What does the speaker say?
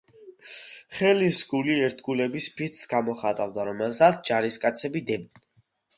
ხელისგული ერთგულების ფიცს გამოხატავდა, რომელსაც ჯარისკაცები დებდნენ.